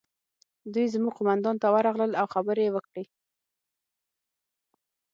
دوی زموږ قومندان ته ورغلل او خبرې یې وکړې